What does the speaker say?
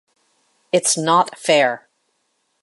It’s not fair.